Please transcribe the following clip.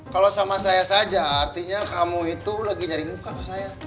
kalau sama saya saja artinya kamu itu lagi nyari muka ke saya